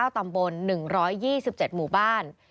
๙ตำบล๑๒๗หมู่บ้าน